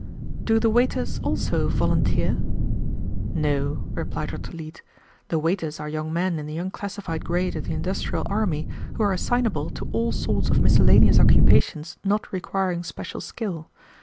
"Do the waiters, also, volunteer?" "No," replied Dr. Leete. "The waiters are young men in the unclassified grade of the industrial army who are assignable to all sorts of miscellaneous occupations not requiring special skill.